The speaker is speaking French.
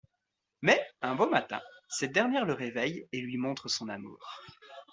Mais un beau matin, cette dernière le réveille et lui montre son amour.